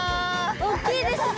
おっきいですね